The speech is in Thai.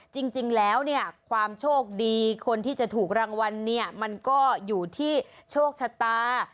จริงแล้วเนี่ยความโชคดีคนที่จะถูกรางวัลเนี่ยมันก็อยู่ที่โชคชะตา